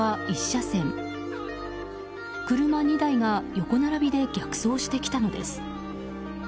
車２台が横並びで逆走してきたのです。